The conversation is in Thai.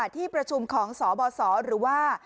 ที่ประชุมของสบสหรือว่า